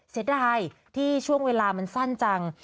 เสียดายที่ช่วงเวลามันสั้นจัง